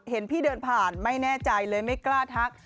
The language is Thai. เห็นพี่เดินผ่านไม่แน่ใจเลยไม่กล้าทัก